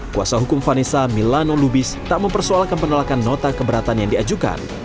kuasa hukum vanessa milano lubis tak mempersoalkan penolakan nota keberatan yang diajukan